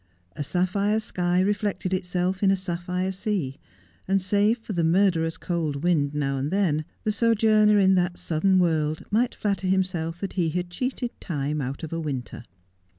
A sapphire sky reflected itself in a sapphire sea, and save for a mur derous cold wind now and then, the sojourner in that southern world might flatter himself that he had cheated time out of a winter.